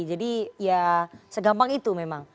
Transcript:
jadi ya segampang itu memang